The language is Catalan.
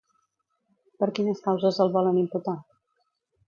Per quines causes el volen imputar?